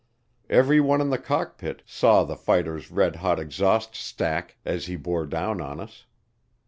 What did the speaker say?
Everyone in the cockpit saw the fighter's red hot exhaust stack as he bore down on us.